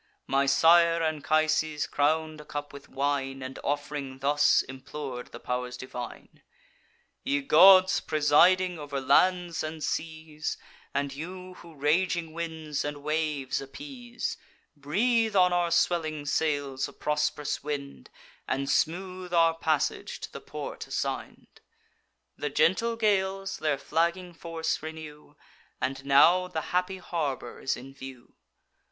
My sire Anchises crown'd a cup with wine, And, off'ring, thus implor'd the pow'rs divine: 'Ye gods, presiding over lands and seas, And you who raging winds and waves appease, Breathe on our swelling sails a prosp'rous wind, And smooth our passage to the port assign'd!' The gentle gales their flagging force renew, And now the happy harbour is in view.